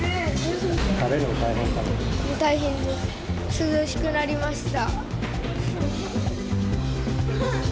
涼しくなりました。